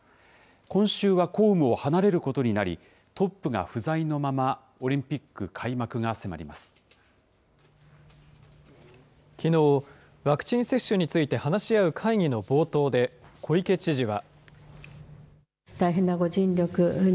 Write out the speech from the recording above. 今週は公務を離れることになり、トップが不在のまま、オリンピッきのう、ワクチン接種について話し合う会議の冒頭で、小池知事は。